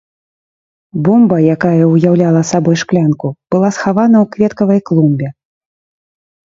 Бомба, якая ўяўляла сабой шклянку, была схавана ў кветкавай клумбе.